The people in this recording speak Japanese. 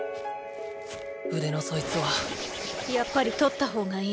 腕のそいつはやっぱり取った方がいい。